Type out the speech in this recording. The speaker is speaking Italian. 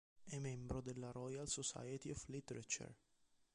È membro della Royal Society of Literature.